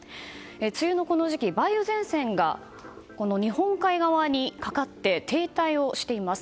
梅雨のこの時期梅雨前線が日本海側にかかって停滞をしています。